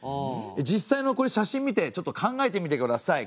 実際のこれ写真見てちょっと考えてみてください。